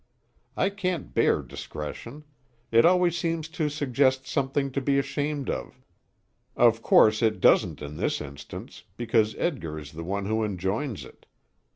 I can't bear discretion. It always seems to suggest something to be ashamed of. Of course, it doesn't in this instance, because Edgar is the one who enjoins it.